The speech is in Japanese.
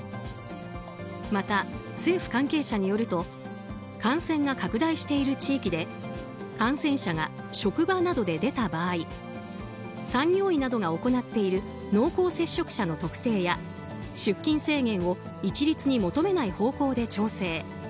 また、政府関係者によると感染が拡大している地域で感染者が職場などで出た場合産業医などが行っている濃厚接触者の特定や出勤制限を一律に求めない方向で調整。